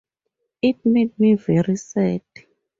It made me very sad.